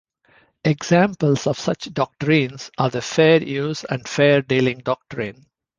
Examples of such doctrines are the fair use and fair dealing doctrine.